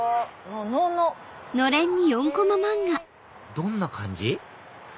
どんな感じ？